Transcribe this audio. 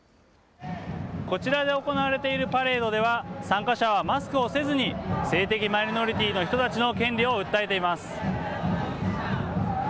こちらで行われているパレードでは、参加者はマスクをせずに性的マイノリティーの人たちの権利を訴えています。